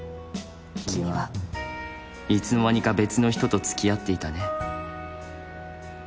君はいつの間にか別の人と付き合っていたね」。